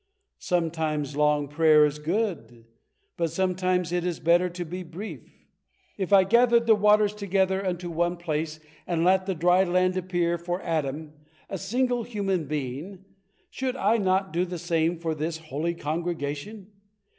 Sometimes long prayer is good, but sometimes it is better to be brief. If I gathered the waters together unto one place, and let the dry land appear for Adam, a single human being, should I not do the same for this holy congregation?